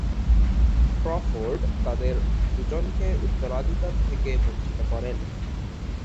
Crawford তাদের দুজনকে উত্তরাধিকার থেকে বঞ্চিত করেন।